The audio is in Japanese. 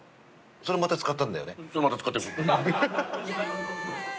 それまた使ったんだよね？